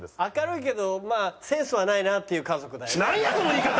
明るいけどまあセンスはないなっていう家族だよね。